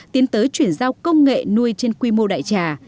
tiến tới chuyển giao công nghệ nuôi trên quy mô đại trà